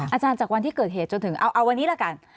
อาจารย์จากวันที่เกิดเหตุจนถึงเอาวันนี้ละกัน